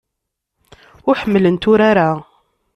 Ur ḥemmlent urar-a.